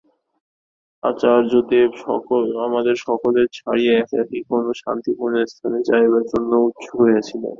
আচার্যদেব আমাদের সকলকে ছাড়িয়া একাকী কোন শান্তিপূর্ণ স্থানে যাইবার জন্য উৎসুক হইয়াছিলেন।